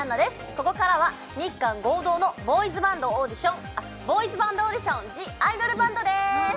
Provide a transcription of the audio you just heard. ここからは日韓合同のボーイズバンドオーディションあっボーイズバンドオーディション「ＴＨＥＩＤＯＬＢＡＮＤ」でーす！